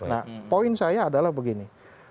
nah poin saya adalah begini